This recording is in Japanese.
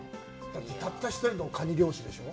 たった１人のカニ漁師でしょう？